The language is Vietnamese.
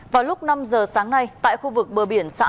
vào lúc năm giờ sáng nay tại khu vực bờ biển xã